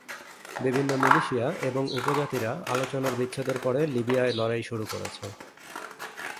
বিভিন্ন মিলিশিয়া এবং উপজাতিরা আলোচনার বিচ্ছেদের পরে লিবিয়ায় লড়াই শুরু করেছে।